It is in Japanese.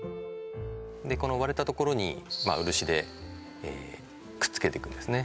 この割れたところに漆でくっつけていくんですね